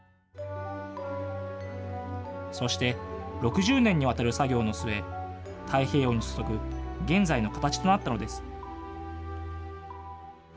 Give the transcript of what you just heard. そして、６０年にわたる作業の末、太平洋に注ぐ現在の形となったのです。